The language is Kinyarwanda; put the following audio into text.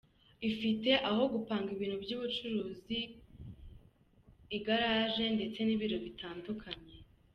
Ifite aho gupanga ibintu by’ubucuruzi igaraje ndetse n’ibiro bitandukanye.